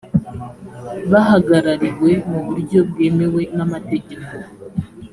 bahagarariwe mu buryo bwemewe n’ amategeko